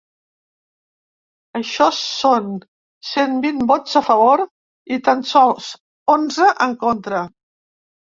Això són cent vint vots a favor i tan sols onze en contra.